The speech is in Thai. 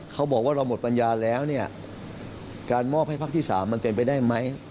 เขาบอกว่าเราหมดปัญญาแล้วเนี่ยการมอบให้พักที่๓มันเป็นไปได้ไหม